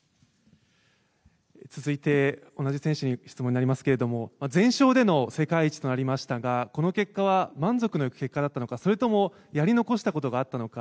続いて、同じ選手に質問になりますけど全勝での世界一となりましたがこの結果は満足のいく結果だったのかそれともやり残したことがあったのか